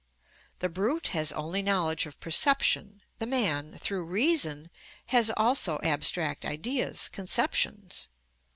The brute has only knowledge of perception, the man, through reason, has also abstract ideas, conceptions.